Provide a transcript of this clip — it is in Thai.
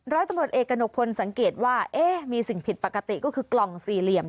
ร้อยตำรวจเอกกระหนกพลสังเกตว่ามีสิ่งผิดปกติก็คือกล่องสี่เหลี่ยม